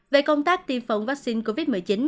về công tác tiêm phòng vaccine covid một mươi chín